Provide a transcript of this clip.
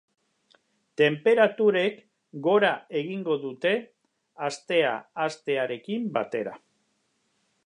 Tenperaturek gora egingo dute astea hastearekin batera.